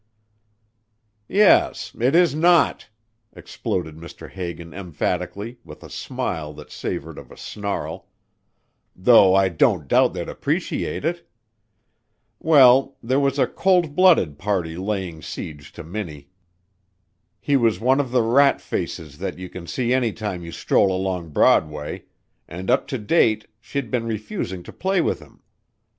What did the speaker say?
"Yes it is not," exploded Mr. Hagan emphatically with a smile that savored of a snarl, "though I don't doubt they'd appreciate it. Well, there was a cold blooded party laying siege to Minnie. He was one of the rat faces that you can see any time you stroll along Broadway, and up to date she'd been refusing to play with him.